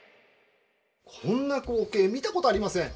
こんな光景見たことありません。